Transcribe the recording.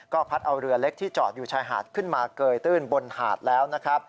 ก็พัดเอาเรือเล็กที่จอดอยู่ชายหาดขึ้นมาเกยตื้นบนหาดแล้วนะครับ